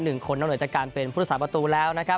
หนึ่งคนนั้นเนื่องจากการเป็นผู้ระสานประตูแล้ว